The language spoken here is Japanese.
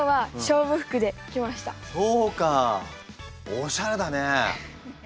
おしゃれだね。